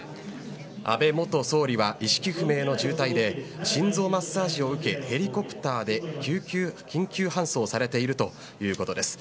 安倍元総理は意識不明の重体で心臓マッサージを受けヘリコプターで緊急搬送されているということです。